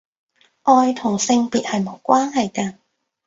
愛同性別係無關係㗎